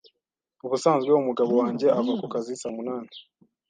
Ubusanzwe umugabo wanjye ava ku kazi saa munani.